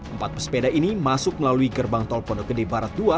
empat pesepeda ini masuk melalui gerbang tol pondok gede barat dua